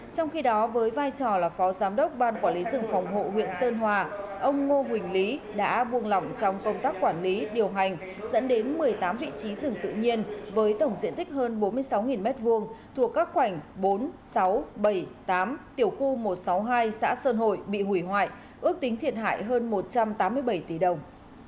trong khi đó với vai trò là pháo giám đốc ban quản lý rừng phòng hộ huyện sơn hòa ông ngo huỳnh lý đã buông lỏng trong công tác quản lý điều hành dẫn đến một mươi tám vị trí rừng tự nhiên với tổng diện tích hơn bốn mươi sáu m hai thuộc các khoảnh bốn sáu bảy tám tiểu khu một trăm sáu mươi hai xã sơn hội bị hủy hoại ước tính thiệt hại hơn một trăm tám mươi bảy tỷ đồng